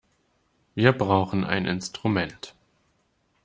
Wir brauchen ein Instrument.